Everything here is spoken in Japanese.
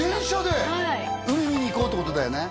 はい海見に行こうってことだよね